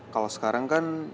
kalau sekarang kan